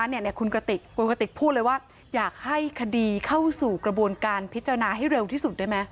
เนี่ยคุณกระติกคุณกระติกพูดเลยว่าอยากให้คดีเข้าสู่กระบวนการพิจารณาให้เร็วที่สุดได้ไหม